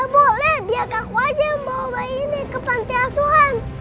boleh biar kaku aja yang bawa bayi ini ke pantai asuhan